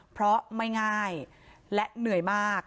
เพราะไม่ง่ายและเหนื่อยมาก